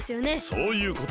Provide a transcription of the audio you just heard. そういうこと！